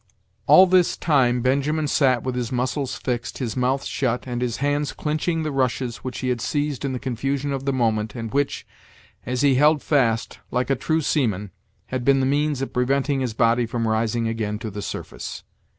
All this time Benjamin sat, with his muscles fixed, his mouth shut, and his hands clinching the rushes which he had seized in the confusion of the moment and which, as he held fast, like a true seaman, had been the means of preventing his body from rising again to the surface.